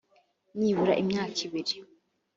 nibura n imyaka ibiri